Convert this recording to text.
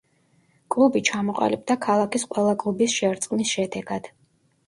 კლუბი ჩამოყალიბდა ქალაქის ყველა კლუბის შერწყმის შედეგად.